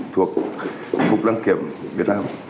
thuộc cục đăng kiểm việt nam